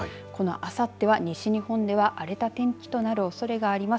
あさっては西日本では荒れた天気となるおそれがります。